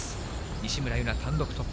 西村優菜、単独トップ。